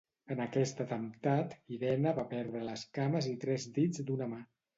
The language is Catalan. En aquest atemptat, Irene va perdre les cames i tres dits d'una mà.